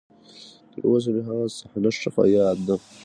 تر اوسه مې هغه صحنه ښه په ياد ده.